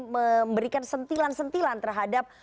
memberikan sentilan sentilan terhadap